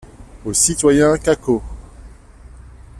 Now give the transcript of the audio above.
Au citoyen Cacault.